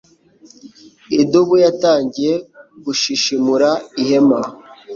Idubu yatangiye gushishimura ihema.